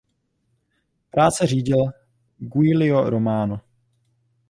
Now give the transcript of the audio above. Práce řídil Giulio Romano.